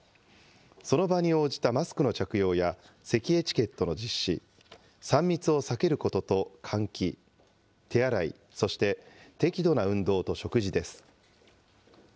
その場に応じたマスクの着用や、せきエチケットの実施、３密を避けることと換気、手洗い、そして適度な運動と食事です。